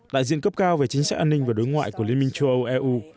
đại diện cấp cao về chính sách an ninh và đối ngoại của liên minh châu âu eu